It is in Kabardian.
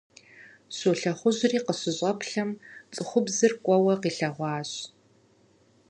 Щолэхъужьри къыщыщӀэплъым, цӀыхубзыр кӀуэуэ къилъэгъуащ.